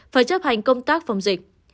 phải chấp hành công tác phòng dịch